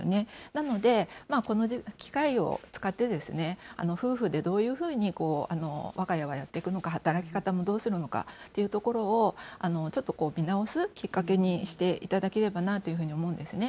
なので、この機会を使って夫婦でどういうふうにわが家はやっていくのか、働き方はどうするのかというところを、ちょっと見直すきっかけにしていただければなというふうに思うんですね。